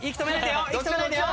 息止めないでよ！